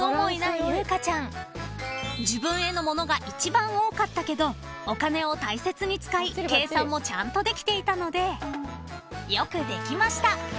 ［自分へのものが一番多かったけどお金を大切に使い計算もちゃんとできていたので］